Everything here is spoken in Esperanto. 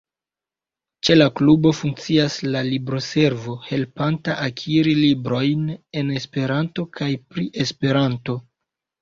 Ĉe la klubo funkcias la libroservo, helpanta akiri librojn en Esperanto kaj pri Esperanto.